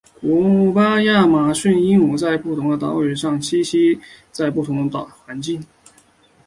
古巴亚马逊鹦鹉在不同的岛屿上栖息在不同的环境。